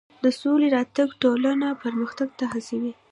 د سولې راتګ ټولنه پرمختګ ته هڅوي.